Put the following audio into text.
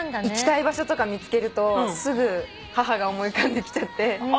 行きたい場所とか見つけるとすぐ母が思い浮かんできちゃって。